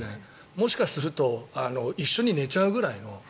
もしかすると一緒に寝ちゃうぐらいの。